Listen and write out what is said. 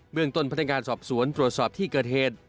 เมืองต้นพนักงานสอบสวนตรวจสอบที่เกิดเหตุ